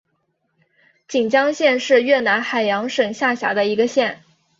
锦江县是越南海阳省下辖的一个县。